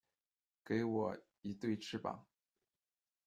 给我一对翅膀